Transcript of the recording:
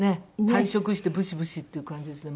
退職してブシブシっていう感じですね。